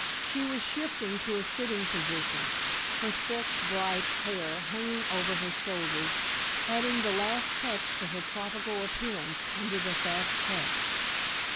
She was shifting to a sitting position, her thick, bright hair hanging over her shoulders, adding the last touch to her tropical appearance under the thatched hut.